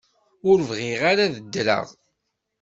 Ur bɣiɣ ara ad ddreɣ.